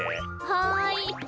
はい。